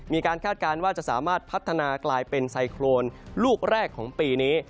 คาดการณ์ว่าจะสามารถพัฒนากลายเป็นไซโครนลูกแรกของปีนี้